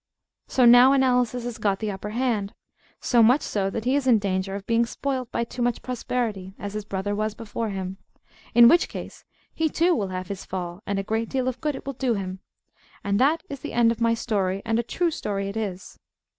So now Analysis has got the upper hand; so much so that he is in danger of being spoilt by too much prosperity, as his brother was before him; in which case he too will have his fall; and a great deal of good it will do him. And that is the end of my story, and a true story it is.